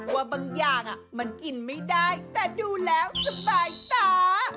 ว่าบางอย่างมันกินไม่ได้แต่ดูแล้วสบายตา